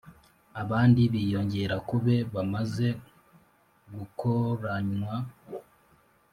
abandi biyongera ku be bamaze gukoranywa z